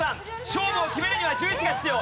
勝負を決めるには１１が必要。